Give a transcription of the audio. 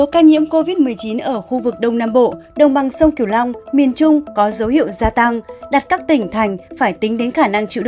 các bạn hãy đăng ký kênh để ủng hộ kênh của chúng mình nhé